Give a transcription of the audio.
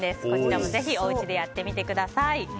こちらもぜひお家でやってみてください。